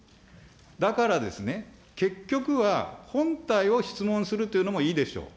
だから結局は、本体を質問するというのもいいでしょう。